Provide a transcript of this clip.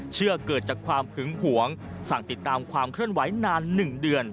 เกิดจากความหึงหวงสั่งติดตามความเคลื่อนไหวนาน๑เดือน